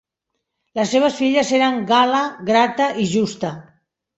Les seves filles eren Gal·la, Grata i Justa.